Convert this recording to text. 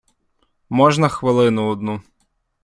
Можна хвилину одну.